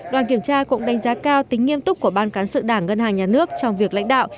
đoàn kiểm tra cũng đánh giá cao tính nghiêm túc của ban cán sự đảng ngân hàng nhà nước trong việc lãnh đạo